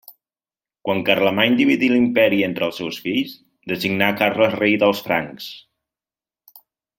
Quan Carlemany dividí l'Imperi entre els seus fills, designà Carles Rei dels Francs.